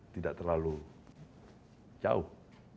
tidak terlalu jauh